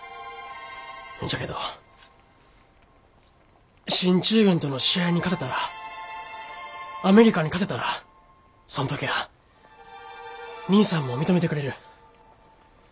じゃけど進駐軍との試合に勝てたらアメリカに勝てたらそん時ゃあ兄さんも認めてくれる。